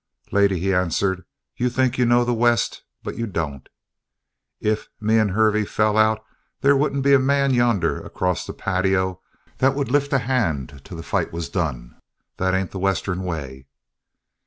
"Lady," he answered, "you think you know the West, but you don't. If me and Hervey fell out there wouldn't be a man yonder across the patio that'd lift a hand till the fight was done. That ain't the Western way."